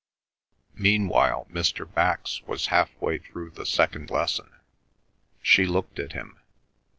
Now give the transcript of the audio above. Meanwhile Mr. Bax was half way through the second lesson. She looked at him.